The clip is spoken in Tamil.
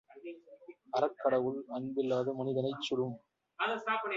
அறக்கடவுள் அன்பில்லாத மனிதனைச் சுடும்.